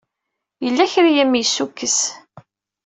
Yella kra ay am-yessukkes.